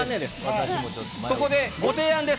そこでご提案です。